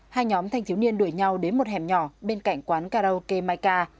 hai nhóm thanh thiếu niên đuổi nhau đến một hẻm nhỏ bên cạnh quán karaoke maika